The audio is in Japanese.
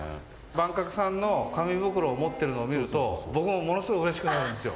坂角さんの紙袋を持ってるの見ると僕も物すごいうれしくなるんですよ。